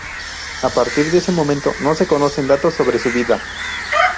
A partir de ese momento no se conocen datos sobre su vida.